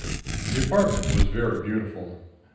The apartment was very beautiful.